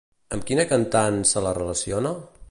Amb quina cantant se la relaciona?